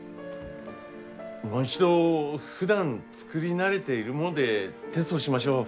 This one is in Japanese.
もう一度ふだん作り慣れているものでテストしましょう。